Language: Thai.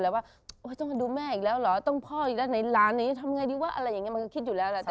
แล้วว่าอร่อยจังมีแม่ก็แล้วหรอต้นพ่อไอย็่แล้วตาในร้านนี้ทำไงดีวะอะไรอย่างนี้มันจะคิด